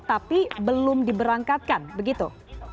tapi belum diberangkatkan begitu